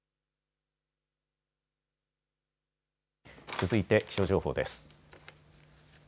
続いて気象情報です。